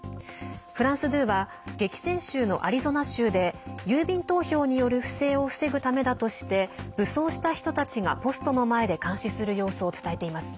フランス２は激戦州のアリゾナ州で郵便投票による不正を防ぐためだとして武装した人たちがポストの前で監視する様子を伝えています。